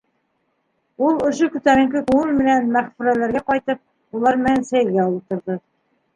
Ул, ошо күтәренке күңел менән Мәғфүрәләргә ҡайтып, улар менән сәйгә ултырҙы.